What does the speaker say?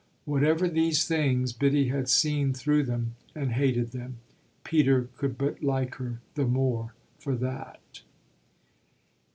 Whatever these things Biddy had seen through them and hated them. Peter could but like her the more for that.